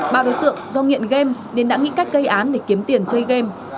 ba đối tượng do nghiện game nên đã nghĩ cách gây án để kiếm tiền chơi game